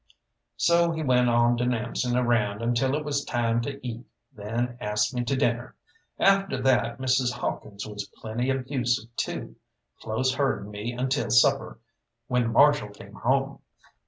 So he went on denouncing around until it was time to eat, then asked me to dinner. After that Mrs. Hawkins was plenty abusive, too, close herding me until supper, when the Marshal came home.